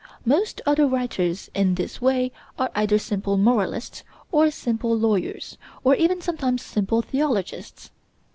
Most other writers in this way are either simple moralists, or simple lawyers, or even sometimes simple theologists.